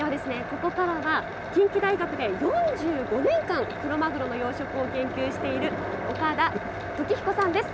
ここからは近畿大学で４５年間クロマグロの養殖を経験している岡田貴彦さんです。